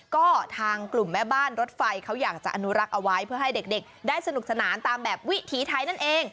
ก็ทางกลุ่มแม่บ้านรถไฟเขาอยากจะอนุรักษ์เอาไว้เพื่อให้เด็กได้สนุกสนานตามแบบวิถีไทยนั่นเอง